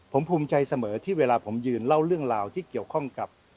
ผมภูมิใจเสมอที่เวลาผมยืนเล่าเรื่องราวที่เกี่ยวข้องกับ